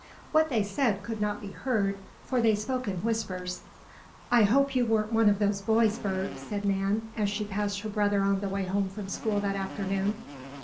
What they said could not be heard, for they spoke in whispers. "I hope you weren't one of those boys, Bert," said Nan, as she passed her brother on the way home from school that afternoon.